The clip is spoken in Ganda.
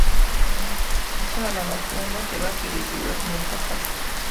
Abakyala abafumbo tebakkirizibwa mu mpaka.